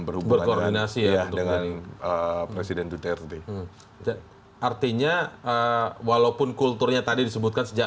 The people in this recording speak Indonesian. berlambungan orbiting einenle presiden di twb artinya walaupun kulturnya tadi disebutkan sejak